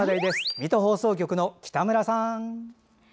水戸放送局の北村さん！